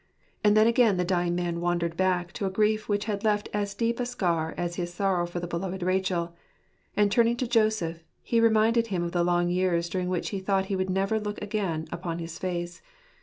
And then again the dying man wandered back to a grief which had left as deep a scar as his sorrow for the beloved Rachel, and turning to Joseph, he reminded him of the long years during which he thought he would never look again upon his face.